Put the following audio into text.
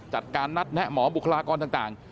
จัดการนัดแนะหมอบุคลากรต่าง